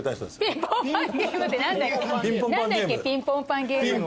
何だっけピンポンパンゲームって。